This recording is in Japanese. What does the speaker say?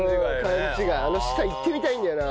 あの下行ってみたいんだよな。